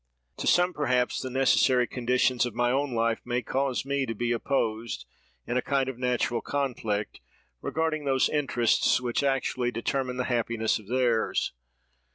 To some, perhaps, the necessary conditions of my own life may cause me to be opposed, in a kind of natural conflict, regarding those interests which actually determine the happiness of theirs.